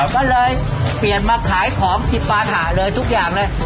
ก็เลยเปลี่ยนมาขายของที่ปาถะเลยทุกอย่างเลย